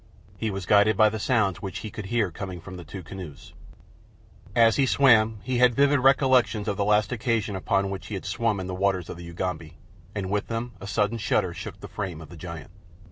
He was guided by the sounds which he could hear coming from the two canoes. As he swam he had vivid recollections of the last occasion upon which he had swum in the waters of the Ugambi, and with them a sudden shudder shook the frame of the giant.